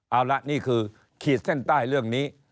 เอาละนี่คือขีดเส้นใต้เรื่องนี้